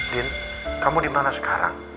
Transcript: din kamu dimana sekarang